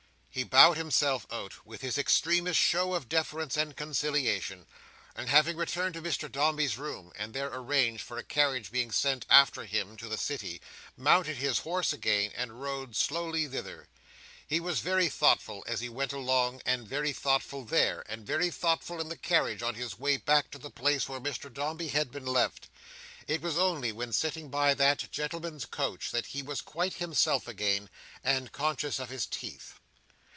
He bowed himself out, with his extremest show of deference and conciliation; and having returned to Mr Dombey's room, and there arranged for a carriage being sent after him to the City, mounted his horse again, and rode slowly thither. He was very thoughtful as he went along, and very thoughtful there, and very thoughtful in the carriage on his way back to the place where Mr Dombey had been left. It was only when sitting by that gentleman's couch that he was quite himself again, and conscious of his teeth.